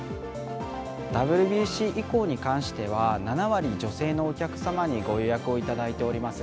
ＷＢＣ以降に関しては、７割女性のお客様にご予約をいただいております。